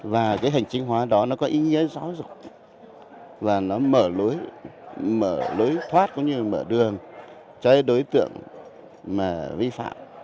và cái hình chính hóa đó nó có ý nghĩa rõ ràng và nó mở lối thoát cũng như mở đường cho đối tượng vi phạm